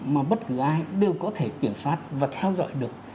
mà bất ai đều có thể kiểm soát và theo dõi được